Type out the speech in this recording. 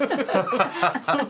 ハハハハ。